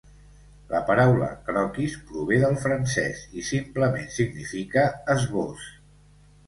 La paraula "croquis" prové del francès i simplement significa "esbós".